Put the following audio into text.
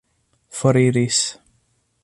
foriris